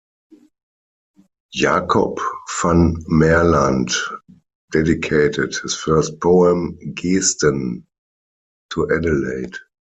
Jacob van Maerlant dedicated his first poem, "Geesten", to Adelaide.